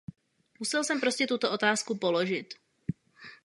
Musel jsem prostě tuto otázku položit.